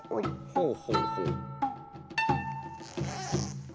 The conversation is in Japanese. ほうほうほう。